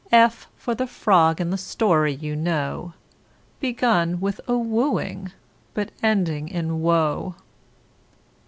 F for the Frog in the story you know, Begun with a wooing but ending in woe.